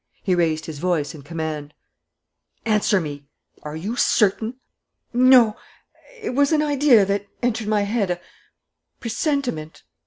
He raised his voice in command: "Answer me! Are you certain?" "No ... it was an idea that entered my head a presentiment